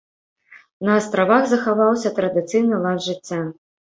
На астравах захаваўся традыцыйны лад жыцця.